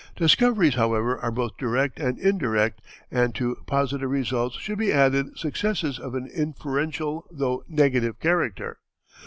Discoveries, however, are both direct and indirect, and to positive results should be added successes of an inferential though negative character.